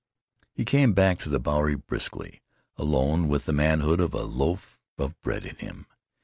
He came back to the Bowery briskly, alone, with the manhood of a loaf of bread in him.